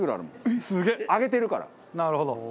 なるほど。